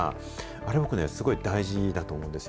あれ僕、すごい大事だと思うんですよ。